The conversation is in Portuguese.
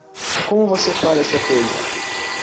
Como você para essa coisa?